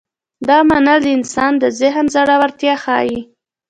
دا منل د انسان د ذهن زړورتیا ښيي.